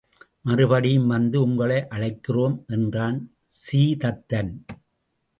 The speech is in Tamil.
மறுபடியும் வந்து உங்களை அழைக்கிறோம் என்றான் சீதத்தன்.